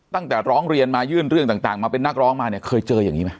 ตั้งแต่ร้องเรียนมายื่นเรื่องต่างมาเป็นนักร้องมาเนี่ยเคยเจออย่างนี้ไหม